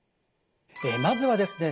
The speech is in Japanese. まずはですね